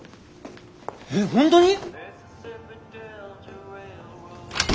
えっ本当に？